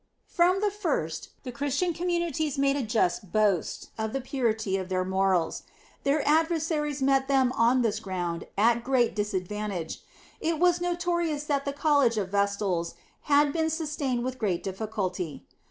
From the first, the Christian communities made a just boast of the purity of their morals. Their adversaries met them on this ground at great disadvantage. It was notorious that the college of Vestals had been sustained with great difficulty.